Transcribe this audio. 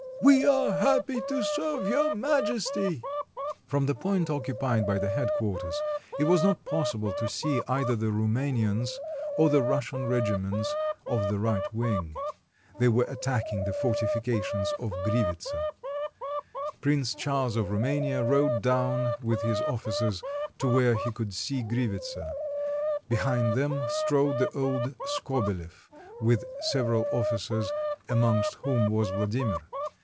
"We are happy to serve Your Majesty." From the point occupied by the headquarters it was not possible to see either the Roumanians or the Russian regiments of the right wing. They were attacking the fortifications of Grivitsa. Prince Charles of Roumania rode down with his officers to where he could see Gri vitsa; behind them strode the old SkobelefT, with several officers, amongst whom was Vladimir.